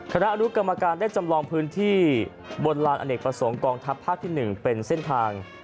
อนุกรรมการได้จำลองพื้นที่บนลานอเนกประสงค์กองทัพภาคที่๑เป็นเส้นทาง